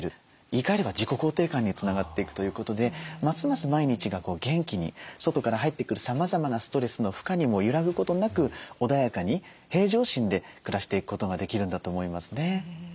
言いかえれば自己肯定感につながっていくということでますます毎日が元気に外から入ってくるさまざまなストレスの負荷にも揺らぐことなく穏やかに平常心で暮らしていくことができるんだと思いますね。